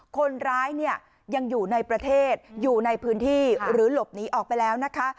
คนร้ายเนี่ยยังอยู่ในประเทศอยู่ในพื้นที่หรือหลบหนีออกไปแล้วนะคะ